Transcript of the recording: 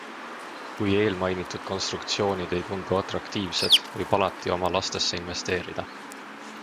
Kui eelmainitud konstruktsioonid ei tundu atraktiivsed, võib alati oma lastesse investeerida.